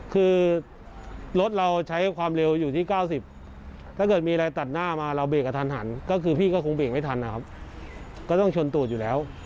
คือรถเราใช้ความเร็วอยู่ที่๙๐ถ้าเกิดมีอะไรตัดหน้ามาเราเบรกกับทันหันก็คือพี่ก็คงเบรกไม่ทันนะครับก็ต้องชนตูดอยู่แล้ว